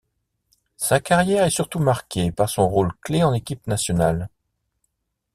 Sa carrière est surtout marquée par son rôle clé en équipe nationale.